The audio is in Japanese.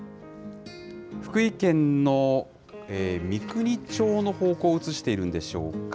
福井県の三国町の方向を映しているんでしょうか。